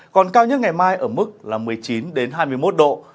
còn cao nhất ngày mai ở mức là một mươi chín hai mươi một độ